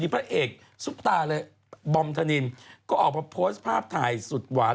พระเอกซุปตาเลยบอมธนินก็ออกมาโพสต์ภาพถ่ายสุดหวาน